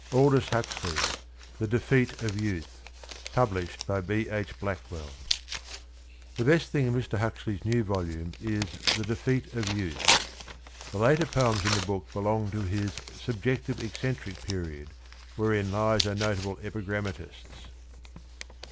100 Aldous Huxley. THE DEFEAT OF YOUTH. 1'ublished by B. H. BLACKWELL. The best thing in Mr. Huxley's new volume is ... The Defeat of Youth. The later poems in the book belong to his ... subjective eccentric period wherein ... lies are notable epigrammatists.